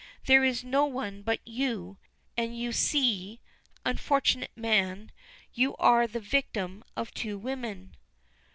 There is no one but you; so you see, unfortunate man, you are the victim of two women."